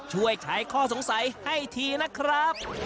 ช่วยขายข้อสงสัยให้ทีนะครับ